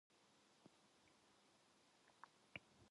강제로 들쳐업고는 한 번도 쉬지 않고 십 리 길을 내처 걸었다.